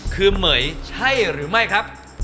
คือเหม๋ยใช่หรือไม่ครับ